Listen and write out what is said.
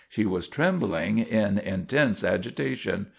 She was trembling in intense agitation.